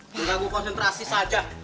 coba aku konsentrasi saja